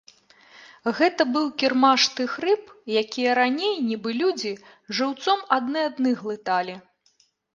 Гэта быў кірмаш тых рыб, якія раней, нібы людзі, жыўцом адны адных глыталі.